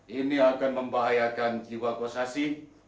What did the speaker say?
ini akan membahayakan jiwa kosasi